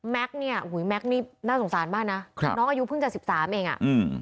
เนี่ยอุ้ยแม็กซ์นี่น่าสงสารมากนะครับน้องอายุเพิ่งจะสิบสามเองอ่ะอืม